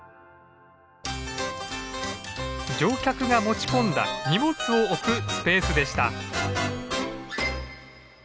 乗客が持ち込んだ荷物を置くスペースでした。